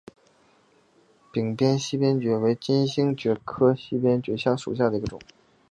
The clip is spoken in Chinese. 屏边溪边蕨为金星蕨科溪边蕨属下的一个种。